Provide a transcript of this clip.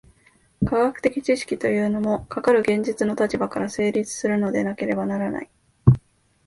科学的知識というのも、かかる現実の立場から成立するのでなければならない。